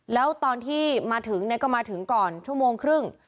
แล้วตอนที่มาถึงก็มาถึงก่อนชั่วโมงครึ่ง